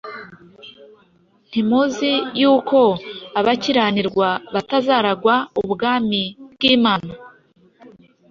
Ntimuzi yuko abakiranirwa batazaragwa ubwami bw’Imana. ”